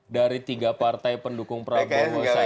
dari tiga partai pendukung prabowo saja